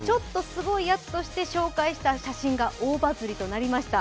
高校生の男の子がちょっとすごいやつとして投稿した写真が大バズりとなりました。